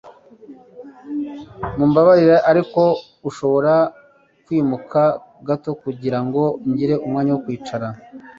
Mumbabarire ariko ushobora kwimuka gato kugirango ngire umwanya wo kwicara